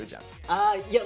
あいや